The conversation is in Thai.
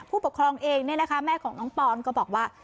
ผู้ปกครองเองแม่ของน้องปอนก็บอกว่า